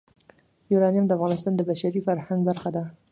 یورانیم د افغانستان د بشري فرهنګ برخه ده.